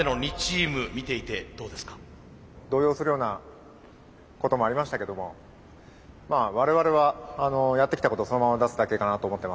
動揺するようなこともありましたけどもまあ我々はやってきたことをそのまま出すだけかなと思ってます。